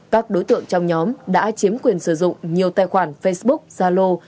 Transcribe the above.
các đối tượng trong nhóm đã chiếm quyền sử dụng nhiều tài khoản facebook zalo